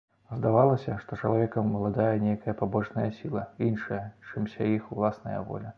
Здавалася, што чалавекам уладае нейкая пабочная сіла, іншая, чымся іх уласная воля.